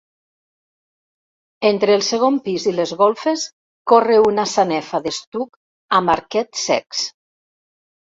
Entre el segon pis i les golfes corre una sanefa d'estuc amb arquets cecs.